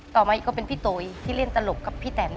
ต่อมาอีกก็เป็นพี่โตยที่เล่นตลกกับพี่แตน